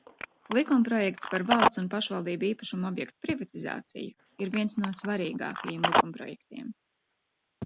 "Likumprojekts "Par valsts un pašvaldību īpašuma objektu privatizāciju" ir viens no svarīgākajiem likumprojektiem."